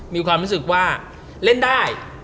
มีความรู้สึกว่าเล่นได้